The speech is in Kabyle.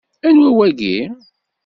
Anwa wagi?